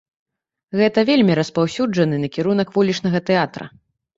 Гэта вельмі распаўсюджаны накірунак вулічнага тэатра.